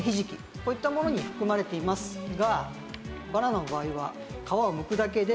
こういったものに含まれていますが。